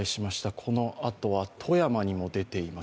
このあとは富山にも出ています。